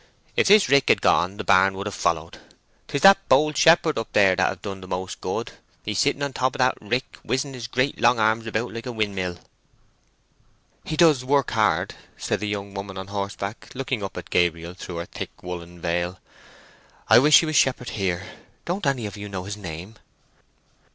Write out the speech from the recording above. If this rick had gone the barn would have followed. 'Tis that bold shepherd up there that have done the most good—he sitting on the top o' rick, whizzing his great long arms about like a windmill." "He does work hard," said the young woman on horseback, looking up at Gabriel through her thick woollen veil. "I wish he was shepherd here. Don't any of you know his name."